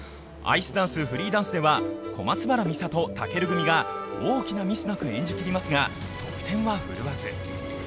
アイスダンス・フリーダンスでは小松原美里・尊組が大きなミスなく演じきりますが、得点は振るわず。